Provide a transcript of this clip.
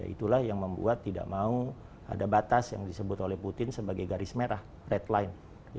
itulah yang membuat tidak mau ada batas yang disebut oleh putin sebagai garis merah redline